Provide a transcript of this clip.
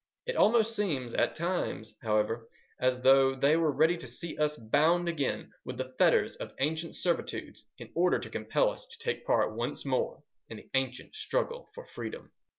It almost seems at times, however, as though they were ready to see us bound again with the fetters of ancient servitudes, in order to compel us to take part once more in the ancient struggle for freedom.